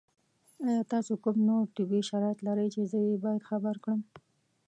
ایا تاسو کوم نور طبي شرایط لرئ چې زه یې باید خبر کړم؟